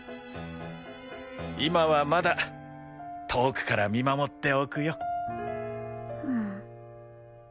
今はまだ遠くから見守っておくよ。